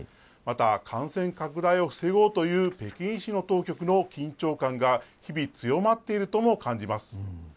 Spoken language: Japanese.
また、感染拡大を防ごうという北京市の当局の緊張感が日々強まっているとも感じます。